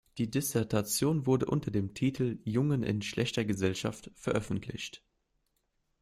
Die Dissertation wurde unter dem Titel "Jungen in schlechter Gesellschaft" veröffentlicht.